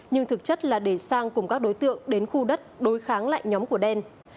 nhưng thực chất là để sang cùng các đối tượng đến khu đất đối kháng lại nhóm của đen